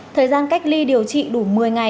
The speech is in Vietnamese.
thời gian cách ly điều trị đủ một mươi ngày